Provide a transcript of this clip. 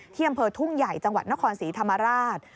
อำเภอทุ่งใหญ่จังหวัดนครศรีธรรมราช